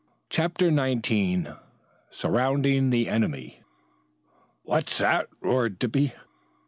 CHAPTER XIX SURROUNDING THE ENEMY "What's that?" roared Dippy.